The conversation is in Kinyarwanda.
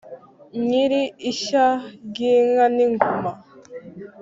nyiri ishya ry’inka n’ingoma